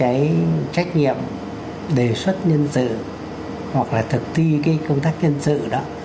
cái trách nhiệm đề xuất nhân sự hoặc là thực thi cái công tác nhân sự đó